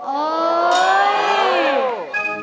โอ๊ย